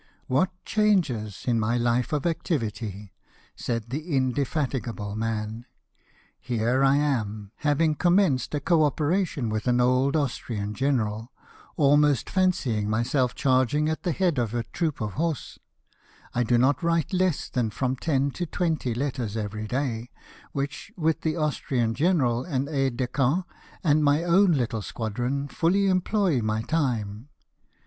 " What changes in my 86 LIFE OF NELSON, life of activity !" said this indefatigable man. " Here I am, having commenced a co operation with an old Austrian general, almost fancying myself charging at the head of a troop of horse !— I do not write less than from ten to twenty letters every day; which, with the Austrian general and aides de camp, and my own little squadron, fully employ my time.